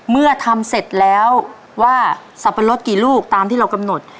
เมื่อทำเสร็จแล้วว่าสับปะรดกี่ลูกตามที่เรากำหนด